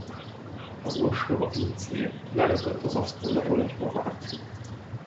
Az ostoba pincér lelökött az asztalról egy poharat.